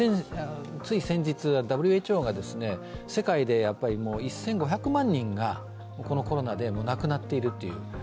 つい先日、ＷＨＯが世界で１５００万人がこのコロナで亡くなっているという。